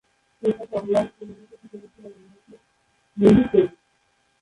এর সাথে অনলাইন পরিবেশক হিসাবে ছিল মুভিচেইন্ট।